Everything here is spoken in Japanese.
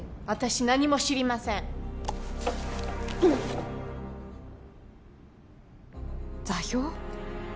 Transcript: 私何も知りません座標？